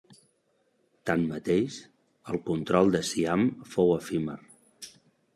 Tanmateix, el control de Siam fou efímer.